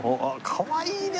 かわいいね！